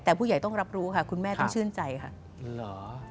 แต่ผู้ใหญ่ต้องรับรู้ค่ะคุณแม่ต้องชื่นใจค่ะ